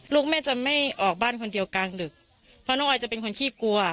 ลูกแม่จะไม่ออกบ้านคนเดียวกลางดึกเพราะน้องออยจะเป็นคนขี้กลัว